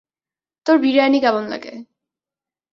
তোর বিরিয়ানি কেমন লাগে?